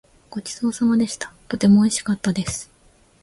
ごちそうさまでした。とてもおいしかったです。